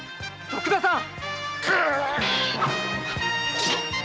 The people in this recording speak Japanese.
徳田さん。